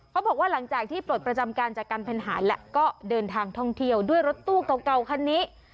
หลังจากที่ปลดประจำการจากการเป็นทหารและก็เดินทางท่องเที่ยวด้วยรถตู้เก่าคันนี้